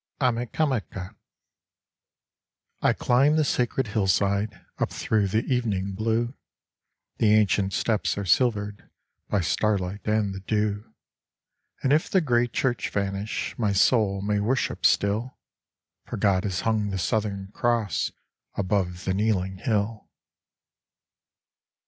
Amecameca I climb the sacred hillside Up through the evening blue. The ancient steps are silvered By starlight and the dew. And if the gray church vanish My soul may worship still, For God has hung the Southern Cross Above the kneeling hill.